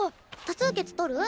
多数決取る？